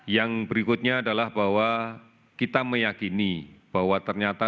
yang berikutnya adalah bahwa kita meyakini bahwa ternyata